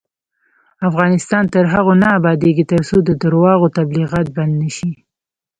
افغانستان تر هغو نه ابادیږي، ترڅو د درواغو تبلیغات بند نشي.